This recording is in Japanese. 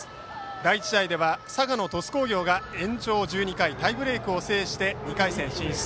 第１試合では佐賀の鳥栖工業が延長１２回タイブレークを制して２回戦進出。